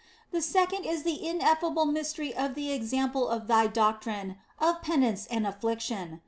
The second is the ineffable mystery of the example of Thy doctrine of penitence and affliction.